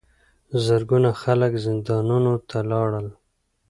زرګونه خلک زندانونو ته لاړل.